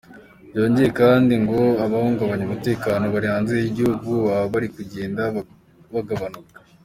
Byongeye kandi ngo abahungabanya umutekano bari hanze y’igihugu baba bari kugenda bagabanuka.